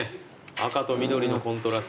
赤と緑のコントラスト。